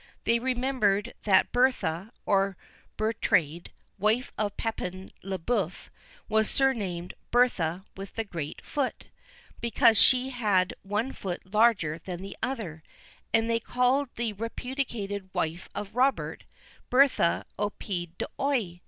They remembered that Bertha or Bertrade, wife of Pepin le bref, was surnamed "Bertha with the Great Foot," because she had one foot larger than the other; and they called the repudiated wife of Robert, "Bertha au pied d'Oie."